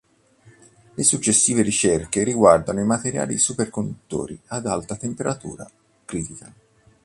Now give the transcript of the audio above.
Le sue successive ricerche riguardano i materiali superconduttori ad alta temperatura critica.